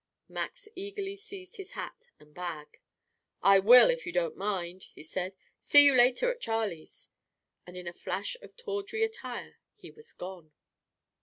Max eagerly seized his hat and bag. "I will, if you don't mind," he said. "See you later at Charlie's." And in a flash of tawdry attire, he was gone.